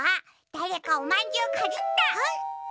だれかおまんじゅうかじった！